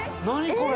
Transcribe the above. これ。